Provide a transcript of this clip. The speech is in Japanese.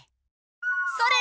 それ！